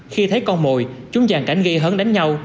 khi thấy con mồi chúng dàn cảnh gây hấn đánh nhau